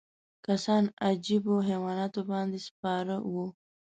کسان عجیبو حیواناتو باندې سپاره وو.